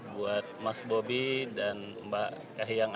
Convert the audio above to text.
buat mas bobi dan mbak kayang dan mbak kayang